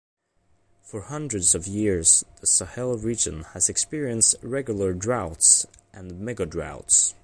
For hundreds of years, the Sahel region has experienced regular droughts and megadroughts.